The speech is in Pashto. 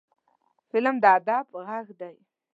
فلم د ادب غږ دی